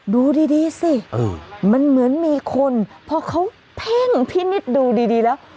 ดูดีสิมันเหมือนมีคนพอเขาเพ่งพินิษฐ์ดูดีแล้ว